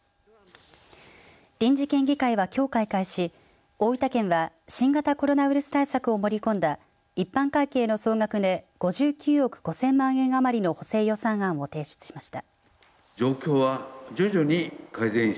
臨時県議会は、きょう開会し大分県は、新型コロナウイルス対策を盛り込んだ一般会計の総額で５９億５０００万円余りの補正予算案を提出しました。